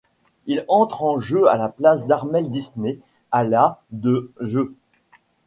Il entre en jeu à la place d'Armel Disney à la de jeu.